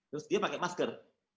terus dia pakai masker